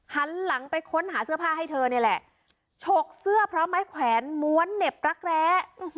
หันหลังไปค้นหาเสื้อผ้าให้เธอนี่แหละฉกเสื้อพร้อมไม้แขวนม้วนเหน็บรักแร้